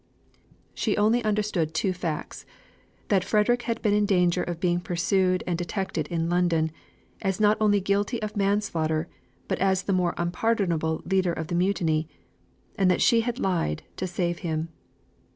She only understood two facts that Frederick had been in danger of being pursued and detected in London, as not only guilty of manslaughter, but as the more unpardonable leader of the mutiny, and that she had lied to save him.